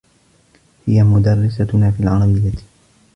هي مدرّستنا في العربيّة.